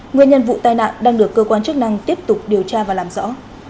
nguyên nhân vụ tai nạn đang được cơ quan chức năng tiếp tục điều tra và làm rõ